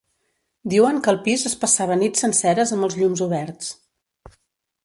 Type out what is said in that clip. Diuen que el pis es passava nits senceres amb els llums oberts.